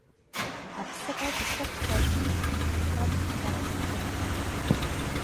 Аԥсык ауп исыгхаз исамхаҟьарц сҷын…